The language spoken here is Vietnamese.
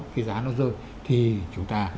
cái giá nó rơi thì chúng ta